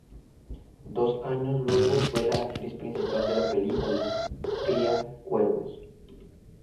Dos años luego fue la actriz principal de la película Cría cuervos.